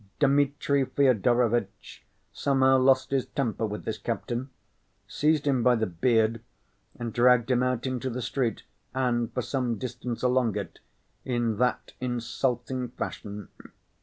Dmitri Fyodorovitch somehow lost his temper with this captain, seized him by the beard and dragged him out into the street and for some distance along it, in that insulting fashion.